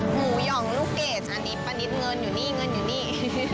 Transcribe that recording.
หย่องลูกเกดอันนี้ป้านิตเงินอยู่นี่เงินอยู่นี่